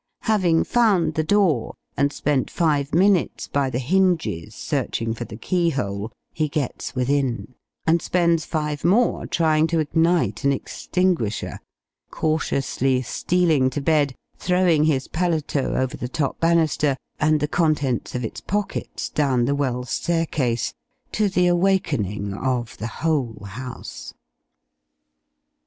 Having found the door, and spent five minutes by the hinges searching for the key hole, he gets within; and spends five more trying to ignite an extinguisher; cautiously stealing to bed, throwing his paletôt over the top banister, and the contents of its pockets down the well staircase, to the awakening of the whole house.